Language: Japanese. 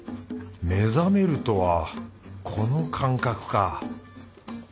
目覚めるとはこの感覚か。